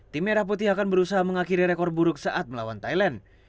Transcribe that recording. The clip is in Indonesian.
tim merah putih akan berusaha mengakhiri rekor buruk saat melawan thailand